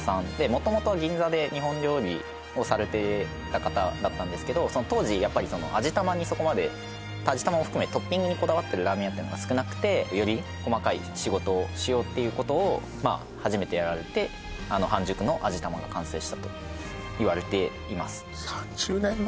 元々銀座で日本料理をされてた方だったんですけど当時やっぱり味玉にそこまで味玉を含めトッピングにこだわってるラーメン屋っていうのが少なくてより細かい仕事をしようっていうことを初めてやられて半熟の味玉が完成したといわれています